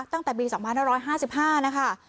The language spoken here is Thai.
ตั้งแต่ปีสักมารถ๑๕๕นะคะ